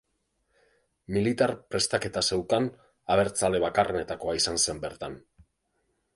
Militar prestaketa zeukan abertzale bakarrenetakoa izan zen bertan.